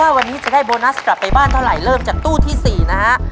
วันนี้จะได้โบนัสกลับไปบ้านเท่าไหร่เริ่มจากตู้ที่๔นะฮะ